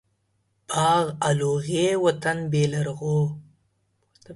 باغ الو غيي ،وطن بيلرغو.